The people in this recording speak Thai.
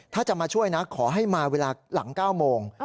ถ้าจะมาช่วยนะขอให้มาเวลาหลัง๙โมง